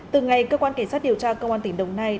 từ ngày cơ quan cảnh sát điều tra công an tỉnh đồng nai